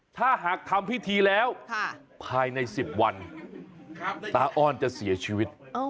ถ้าหากทำพิธีแล้วภายใน๑๐วันตาอ้อนจะเสียชีวิต